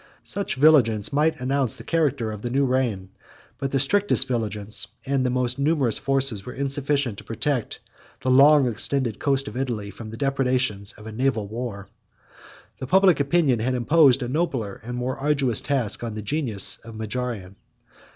45 Such vigilance might announce the character of the new reign; but the strictest vigilance, and the most numerous forces, were insufficient to protect the long extended coast of Italy from the depredations of a naval war. The public opinion had imposed a nobler and more arduous task on the genius of Majorian.